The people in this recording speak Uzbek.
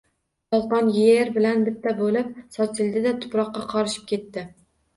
Tolqon yer bilan bitta bo‘lib sochildi-da, tuproqqa qorishib ketdi.